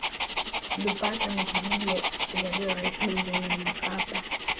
lupaso ni kijiji alichozaliwa rais benjamin mkapa